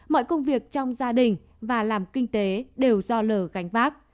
mọi công việc trong gia đình và làm kinh tế đều do lờ gánh vác